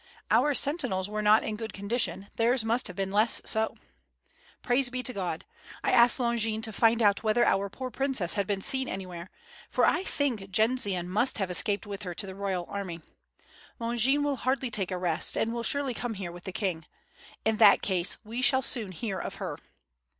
Our sentinels were not in good condi tion, theirs must have been much less so." "Praise be to God! I asked Longin to find out whether our poor princess had been seen anywhere, for I think Jendzian must have escaped with her to the royal army. Longin will hardly take a rest, and will surely come here with the king. In that case we shall soon hear of her."